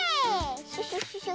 シュシュシュシュ。